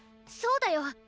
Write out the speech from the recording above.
そうだよ。